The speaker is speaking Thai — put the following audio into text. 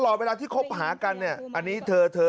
ตลอดเวลาที่คบหากันเนี่ย